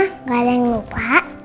enggak ada yang lupa